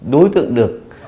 đối tượng được